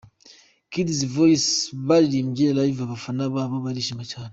Kidz Voice baririmbye live abafana babo barishima cyane.